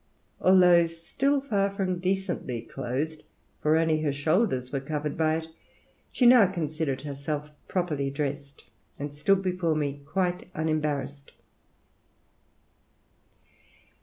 Although still far from decently clothed, for only her shoulders were covered by it, she now considered herself properly dressed, and stood before me quite unembarrassed."